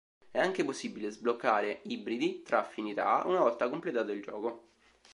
È anche possibile sbloccare ibridi tra Affinità una volta completato il gioco.